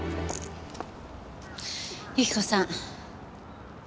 由紀子さん。